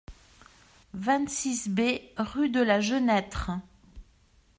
vingt-six B rue de la Genêtre